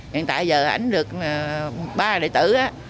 hiện tại giờ ảnh được ba đệ tử